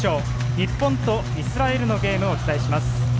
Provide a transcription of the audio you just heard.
日本とイスラエルのゲームをお伝えします。